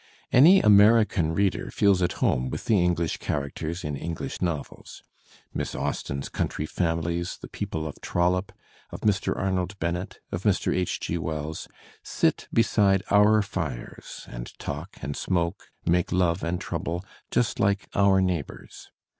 Any American reader feels at home with the English characters in English novels. Miss Austen's country families, the people of TroUope, of Mr. Arnold Bennett, of Mr. H. G. Wells, sit beside our fires and talk and smoke, make love and trouble, just like our neighbours.